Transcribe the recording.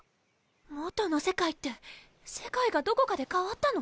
「元の世界」って世界がどこかで変わったの？